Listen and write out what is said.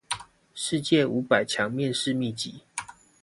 世界五百強面試秘笈